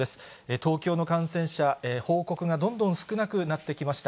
東京の感染者、報告がどんどん少なくなってきました。